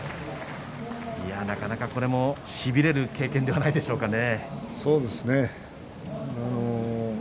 なかなかしびれる経験ではないでしょうかね